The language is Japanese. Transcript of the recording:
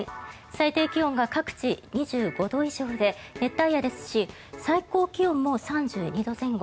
最低気温が各地２５度以上で熱帯夜ですし最高気温も３２度前後。